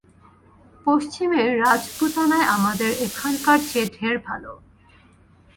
পশ্চিমে রাজপুতানায় আমাদের এখানকার চেয়ে ঢের ভাল।